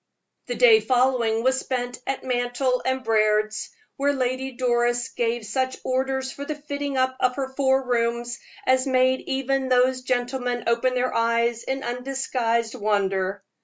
The day following was spent at Mantall & Briard's, where Lady Doris gave such orders for the fitting up of her four rooms as made even those gentlemen open their eyes in undisguised wonder.